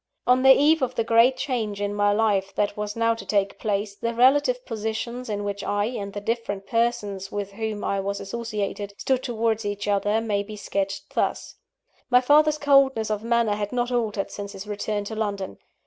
On the eve of the great change in my life that was now to take place, the relative positions in which I, and the different persons with whom I was associated, stood towards each other, may be sketched thus: My father's coldness of manner had not altered since his return to London.